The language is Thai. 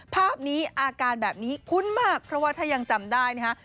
ภาพนี้อาการแบบนี้คุ้นมากเพราะว่าถ้ายังจำได้นะฮะ